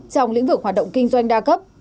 trong lĩnh vực hoạt động kinh doanh đa cấp